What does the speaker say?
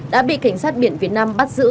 đã bị cảnh sát biển việt nam bắt giữ